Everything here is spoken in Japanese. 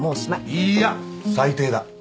いいや最低だ。